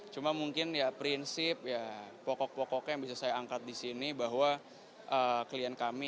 cuma mungkin ya prinsip ya pokok pokoknya yang bisa saya angkat di sini bahwa klien kami